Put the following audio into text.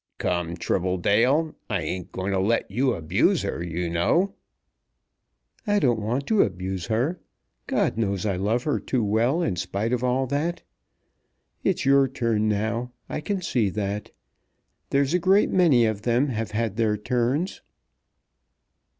"Come, Tribbledale; I ain't going to let you abuse her, you know." "I don't want to abuse her. God knows I love her too well in spite of all. It's your turn now. I can see that. There's a great many of them have had their turns."